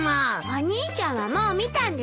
お兄ちゃんはもう見たんでしょ？